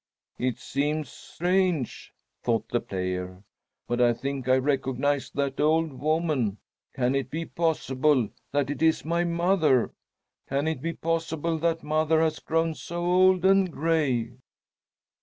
"It seems strange," thought the player, "but I think I recognize that old woman. Can it be possible that it is my mother? Can it be possible that mother has grown so old and gray?"